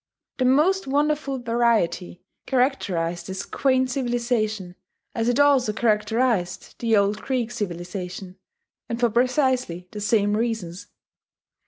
The most wonderful variety characterized this quaint civilization, as it also characterized the old Greek civilization, and for precisely the same reasons.